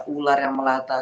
ular yang melatak